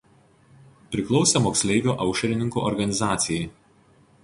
Priklausė moksleivių aušrininkų organizacijai.